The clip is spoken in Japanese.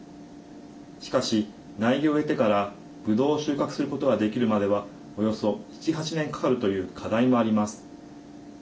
しかし、苗木を植えてからブドウを収穫することができるまではおよそ７８年かかるという課題もあります。